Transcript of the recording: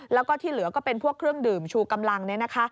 แล้วก็ที่เหลือก็เป็นพวกเครื่องดื่มชูกำลัง